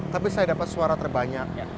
tapi saya dapat suara terbanyak